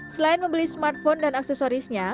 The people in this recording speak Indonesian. selain membeli smartphone dan aksesorisnya